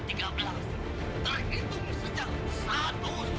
terhitung sejak satu suruh